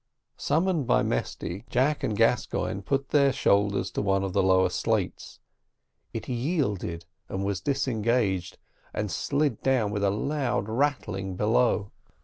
Summoned by Mesty, Jack and Gascoigne put their shoulders to one of the lower slates; it yielded was disengaged, and slid down with a loud rattling below.